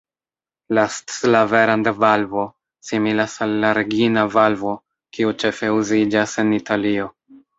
La „Sclaverand“-valvo similas al la "Regina-valvo", kiu ĉefe uziĝas en Italio.